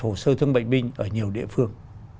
hồ sơ thương bệnh binh ở nhiều địa phương